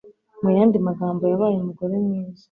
Mu yandi magambo, yabaye umugore mwiza.